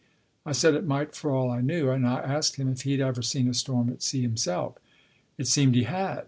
I said it might for all I knew ; and I asked him if he'd ever seen a storm at sea himself. It seemed he had.